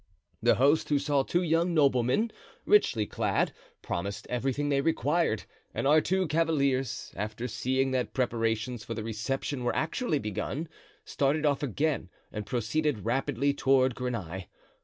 The host, who saw two young noblemen, richly clad, promised everything they required, and our two cavaliers, after seeing that preparations for the reception were actually begun, started off again and proceeded rapidly toward Greney.